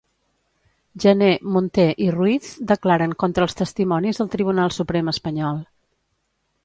Jané, Munté i Ruiz declaren contra els testimonis al Tribunal Suprem espanyol.